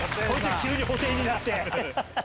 急に布袋になって！